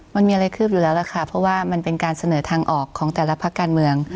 มันมีอะไรคืบอยู่แล้วล่ะค่ะเพราะว่ามันเป็นการเสนอทางออกของแต่ละพักการเมือง